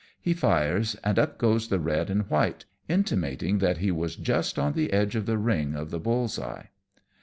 He fires, and up goes the red and white, intimating that he was just on the edge of the ring of the bull's eye.